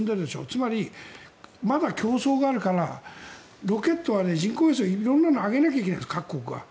つまりまだ競争があるからロケットは人工衛星色んなのを上げなきゃいけない各国が。